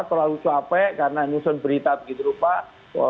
terlalu capek karena nyusun berita begitu rupa